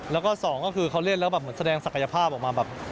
แล้วก็สองก็คือเขาเล่นแล้วแบบเหมือนแสดงศักยภาพออกมาแบบ